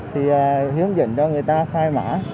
thì hướng dẫn cho người ta khai mã